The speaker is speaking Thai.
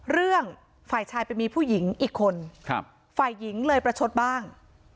เรื่องฝ่ายชายไปมีผู้หญิงอีกคนฝ่ายหญิงเลยประชดบ้าง